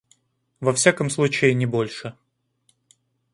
Во всяком случае, не больше.